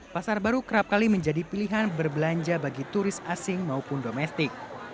pasar baru kerap kali menjadi pilihan berbelanja bagi turis asing maupun domestik